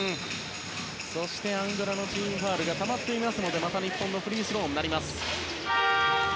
そしてアンゴラのチームファウルがたまっていますのでまた日本のフリースローです。